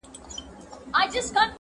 • څو لفظونه مي د میني ورته ورکړه,